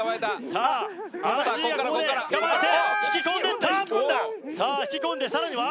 さあＲＧがここでつかまえて引き込んでいったさあ引き込んでさらには？